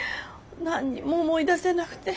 何にも思い出せなくて。